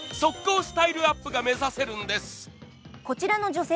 スタイルアップが目指せちゃうんです。